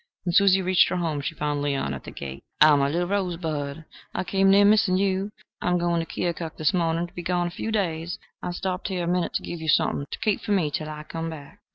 When Susan reached her home she found Leon at the gate. "Ah, my little rosebud! I came near missing you. I am going to Keokuk this morning, to be gone a few days. I stopped here a minute to give you something to keep for me till I come back."